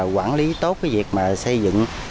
quản lý tốt việc xây dựng